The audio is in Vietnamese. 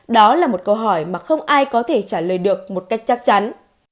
đó là một câu hỏi mà không ai có thể trả lời được một cách chắc chắn